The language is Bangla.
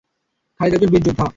খালিদ একজন বীর যোদ্ধা।